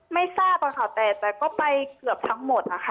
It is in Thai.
ไม่ทราบค่ะแต่ก็ไปเกือบทั้งหมดนะคะ